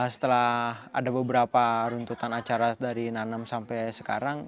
setelah ada beberapa runtutan acara dari nanam sampai sekarang